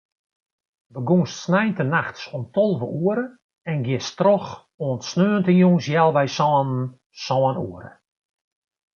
Begûnst sneintenachts om tolve oere en giest troch oant sneontejûns healwei sânen, sân oere.